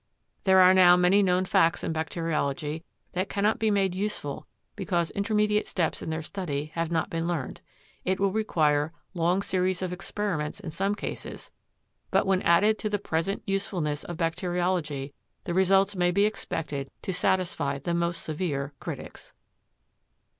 There are now many known facts in bacteriology that cannot be made useful because intermediate steps in their study have not been learned. It will require long series of experiments in some cases, but when added to the present usefulness of bacteriology the results may be expected to satisfy the most severe critics.